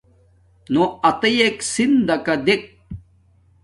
ہݸ اتݵَک سندݳݣݳ دݵک.